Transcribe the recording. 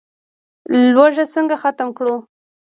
لوږه څنګه ختمه کړو؟